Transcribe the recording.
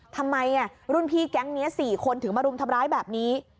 ทำไมรุ่นพี่แก๊งนี้๔คนถึงมารุมทำร้ายแบบนี้